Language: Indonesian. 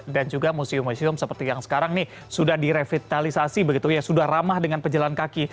dan juga museum museum seperti yang sekarang ini sudah direvitalisasi sudah ramah dengan pejalan kaki